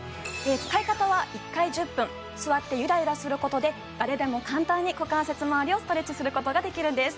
使い方は１回１０分座ってゆらゆらすることで誰でも簡単に股関節まわりをストレッチすることができるんです